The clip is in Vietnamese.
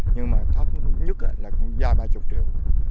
nhưng mà thấp nhất là do ba mươi triệu